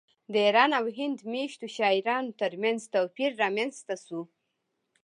د ایران او هند میشتو شاعرانو ترمنځ توپیر رامنځته شو